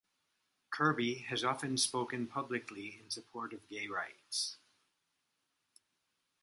Kirby has often spoken publicly in support of gay rights.